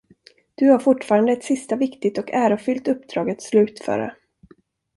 Du har fortfarande ett sista viktigt och ärofyllt uppdrag att slutföra.